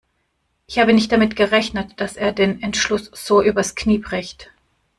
Ich habe nicht damit gerechnet, dass er den Entschluss so übers Knie bricht.